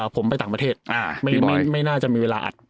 ผมไปต่างประเทศไม่น่าจะมีเวลาอัด